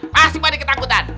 pasti pade ketakutan